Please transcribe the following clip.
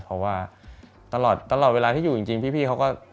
เพราะว่าตลอดเวลาที่อยู่จริงพี่เขาก็